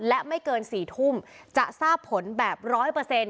และไม่เกิน๔ทุ่มจะทราบผลแบบร้อยเปอร์เซ็นต